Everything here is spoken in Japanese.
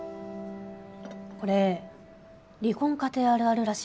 これ離婚家庭あるあるらしいけど。